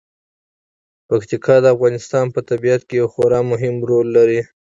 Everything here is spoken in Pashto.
پکتیکا د افغانستان په طبیعت کې یو خورا مهم رول لري.